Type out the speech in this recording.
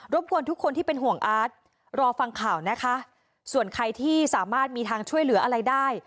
กวนทุกคนที่เป็นห่วงอาร์ตรอฟังข่าวนะคะส่วนใครที่สามารถมีทางช่วยเหลืออะไรได้